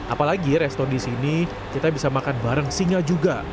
apalagi restoran di sini kita bisa makan bareng singa juga